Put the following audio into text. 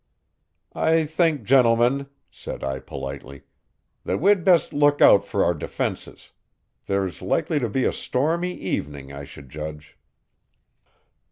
"I think, gentlemen," said I politely, "that we'd best look out for our defenses. There's likely to be a stormy evening, I should judge."